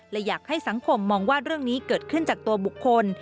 และอยากให้สังคมมองว่าเรื่องนี้เกิดขึ้นจากตัวบุคคล